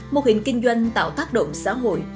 mô hình kinh doanh tạo tác động xã hội